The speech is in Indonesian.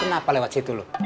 lu kenapa lewat situ lu